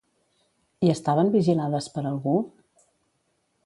I estaven vigilades per algú?